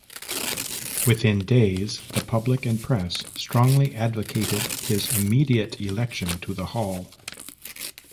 Within days, the public and press strongly advocated his immediate election to the Hall.